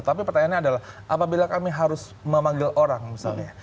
tapi pertanyaannya adalah apabila kami harus memanggil orang misalnya